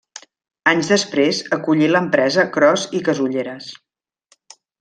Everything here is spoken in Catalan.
Anys després acollí l'empresa Cros i Casulleres.